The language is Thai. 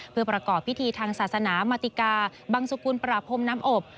เพื่อประกอบพิธีทางศาสนามาติกาบังสุกุลประพรมน้ำอบ